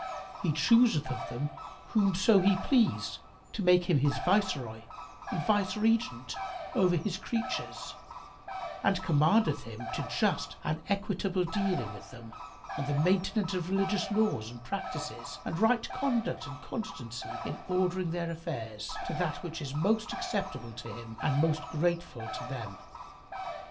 He chooseth of them whomso He please to make him His viceroy and viceregent over His creatures and commandeth him to just and equitable dealing with them and the maintenance of religious laws and practices and right conduct and constancy in ordering their affairs to that which is most acceptable to Him and most grateful to them.